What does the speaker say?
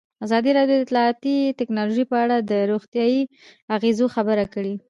ازادي راډیو د اطلاعاتی تکنالوژي په اړه د روغتیایي اغېزو خبره کړې.